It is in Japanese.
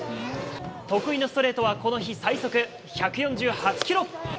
得意のストレートは、この日最速１４８キロ。